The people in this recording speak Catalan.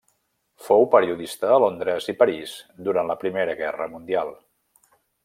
Fou periodista a Londres i París durant la Primera Guerra mundial.